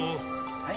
はい？